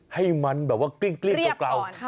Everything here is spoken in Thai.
ให้มันแบบว่าเกลี้ยงเกลี้ยงเกา